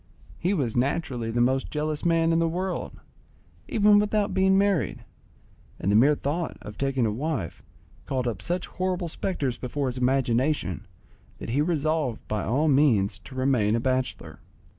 He was naturally the most jealous man in the world, even without being married, and the mere thought of taking a wife called up such horrible spectres before his imagination that he resolved by all means to remain a bachelor.